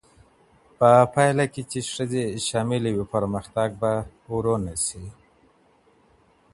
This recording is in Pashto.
په پایله کې چې ښځې شاملې وي، پرمختګ به ورو نه شي.